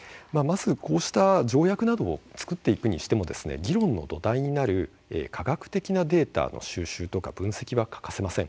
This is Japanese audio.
こうした条約などを作っていくにしても議論の土台になる科学的なデータの収集分析は欠かせません。